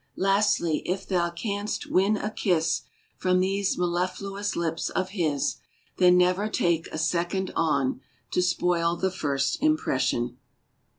Lastly, if thou canst win a kiss From those mellifluous lips of His, Then never take a second on, To spoil the first impression.